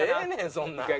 そんな。